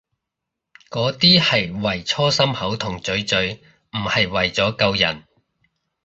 嗰啲係為搓心口同嘴嘴，唔係為咗救人